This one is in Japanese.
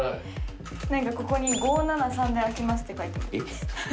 ここに「５７３で開きます」って書いてます。